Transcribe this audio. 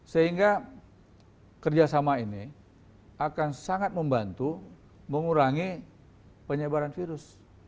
sehingga kerjasama ini akan sangat membantu mengurangi penyebaran virus